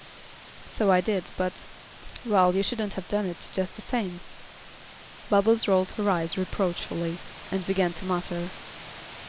"So I did, but well, you shouldn't have done it, just the same." Bubbles rolled her eyes reproachfully, and began to mutter.